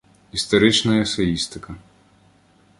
Історична есеїстика.